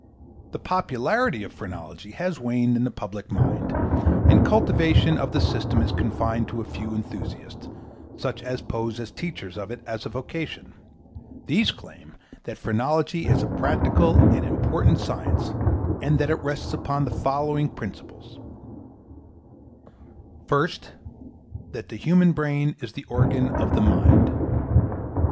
The popularity of phrenology has waned in the public mind, and cultivation of the system is confined to a few enthusiasts, such as pose as teachers of it as a vocation. These claim that phrenology is a practical and important science and that it rests upon the following principles: First That the human brain is the organ of the mind.